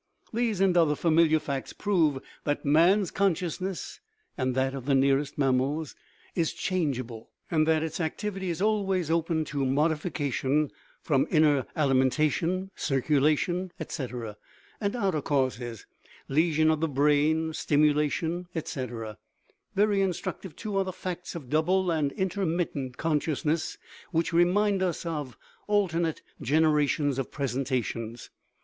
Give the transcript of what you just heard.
These and other familiar facts prove that man's con sciousness and that of the nearest mammals is 184 CONSCIOUSNESS changeable, and that its activity is always open to modification from inner (alimentation, circulation, etc.) and outer causes (lesion of the brain, stimulation, etc.). Very instructive, too, are the facts of double and in termittent consciousness, which remind us of " alter nate generations of presentations."